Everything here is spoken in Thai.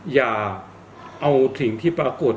อย่าเอาสิ่งที่ปรากฏ